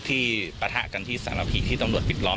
ปะทะกันที่สารพีที่ตำรวจปิดล้อม